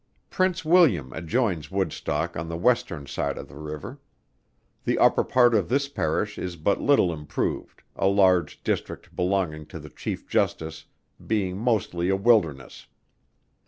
Prince William adjoins Woodstock on the Western side of the river. The upper part of this Parish is but little improved, a large district belonging to the Chief Justice being mostly a wilderness.